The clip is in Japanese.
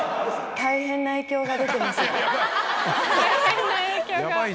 大変な影響が。